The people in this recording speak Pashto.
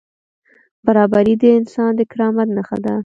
برابري د انسان د کرامت نښه ده.